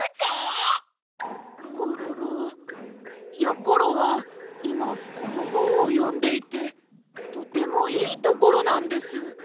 コロロやころはいまこのほんをよんでいてとてもいいところなんです。